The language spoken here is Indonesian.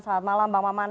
selamat malam bang maman